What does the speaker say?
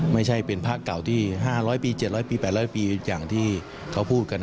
ไม่ใช่เป็นพระเก่าที่๕๐๐ปี๗๐๐ปี๘๐๐ปีอย่างที่เขาพูดกัน